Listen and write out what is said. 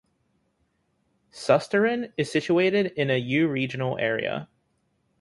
Susteren is situated in a Euregional area.